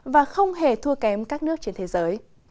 và không hề thua kém các nước trên thế giới